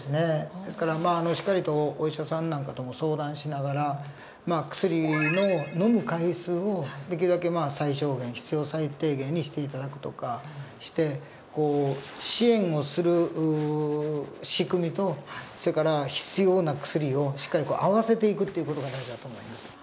ですからまあしっかりとお医者さんなんかとも相談しながら薬の飲む回数をできるだけ最小限必要最低限にして頂くとかして支援をする仕組みとそれから必要な薬をしっかり合わせていくっていう事が大事だと思います。